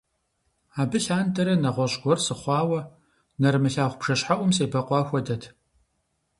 Абы лъандэрэ нэгъуэщӀ гуэр сыхъуауэ, нэрымылъагъу бжэщхьэӀум себэкъуа хуэдэт.